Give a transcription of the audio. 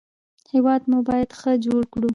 هېواد مو باید ښه جوړ کړو